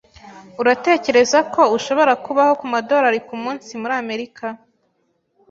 Uratekereza ko ushobora kubaho ku madorari kumunsi muri Amerika?